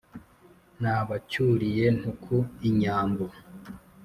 nabacyuriye ntuku inyambo.